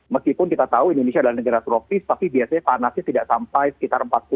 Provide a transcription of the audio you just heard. meskipun kita tahu indonesia adalah negara tropis tapi biasanya panasnya tidak sampai sekitar empat puluh